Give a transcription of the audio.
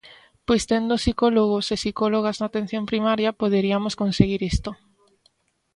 Pois tendo psicólogos e psicólogas na atención primaria poderiamos conseguir isto.